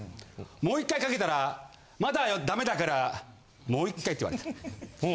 もう１回かけたら「まだよダメだからもう１回」って言われた。